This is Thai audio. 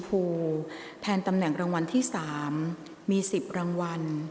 สูหที่ที่รัก